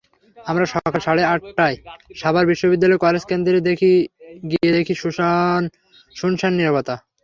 আমরা সকাল সাড়ে আটটায় সাভার বিশ্ববিদ্যালয় কলেজ কেন্দ্রে গিয়ে দেখি সুনসান নীরবতা।